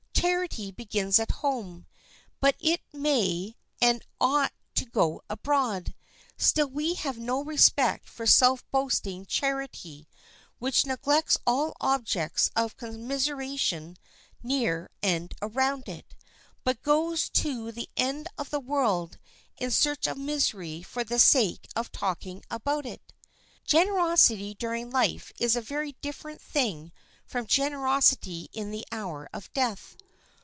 Charity begins at home, but it may and ought to go abroad; still we have no respect for self boasting charity which neglects all objects of commiseration near and around it, but goes to the end of the world in search of misery for the sake of talking about it. Generosity during life is a very different thing from generosity in the hour of death.